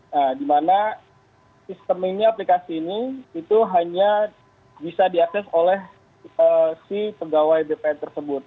nah di mana sistem ini aplikasi ini itu hanya bisa diakses oleh si pegawai bpn tersebut